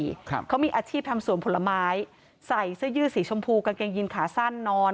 ครับเขามีอาชีพทำสวนผลไม้ใส่เสื้อยืดสีชมพูกางเกงยินขาสั้นนอน